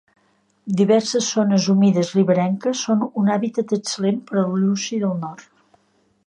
Diverses zones humides riberenques són un hàbitat excel·lent per al lluci del nord.